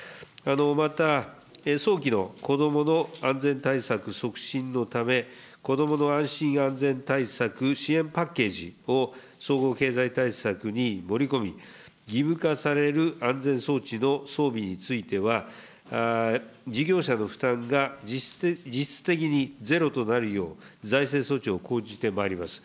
また、早期の子どもの安全対策促進のため、子どもの安心安全対策支援パッケージを、総合経済対策に盛り込み、義務化される安全装置の装備については、事業者の負担が実質的にゼロとなるよう、財政措置を講じてまいります。